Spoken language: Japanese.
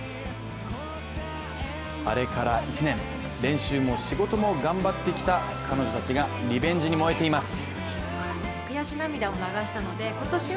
あれから１年、練習も仕事も頑張ってきた彼女たちがリベンジに燃えています。